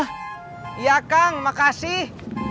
iya kang makasih